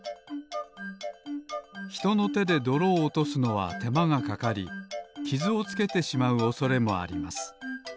ひとのてでどろをおとすのはてまがかかりきずをつけてしまうおそれもあります。